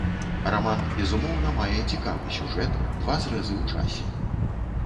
Раман безумоўна мае цікавы сюжэт, два зрэзы ў часе.